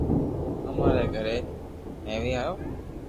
امري گھري تيوي ھو